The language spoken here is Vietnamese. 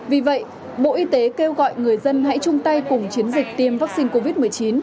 vì vậy bộ y tế kêu gọi người dân hãy chung tay cùng chiến dịch tiêm vaccine covid một mươi chín